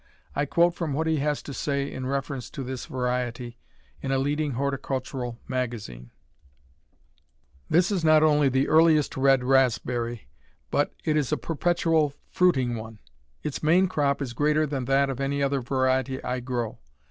I quote from what he has to say in reference to this variety in a leading horticultural magazine: This is not only the earliest red raspberry, but it is a perpetual fruiting one. Its main crop is greater than that of any other variety I grow.